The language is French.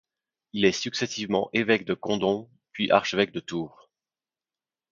Il est successivement évêque de Condom puis archevêque de Tours.